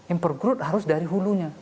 impor crude harus dari hulunya